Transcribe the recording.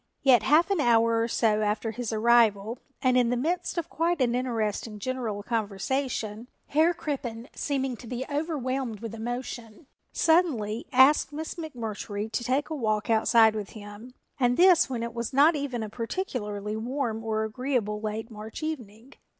Yet half an hour or so after his arrival and in the midst of quite an interesting general conversation Herr Crippen, seeming to be overwhelmed with emotion, suddenly asked Miss McMurtry to take a walk outside with him and this when it was not even a particularly warm or agreeable late March evening.